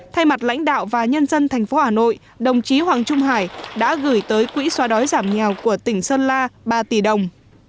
thay mặt lãnh đạo và nhân dân tp hà nội đồng chí hoàng trung hải đã gửi tới quỹ xóa đói giảm nghèo của tỉnh sơn la ba tỷ đồng